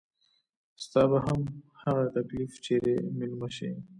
ستا به هم هغه تکليف چري ميلمه شي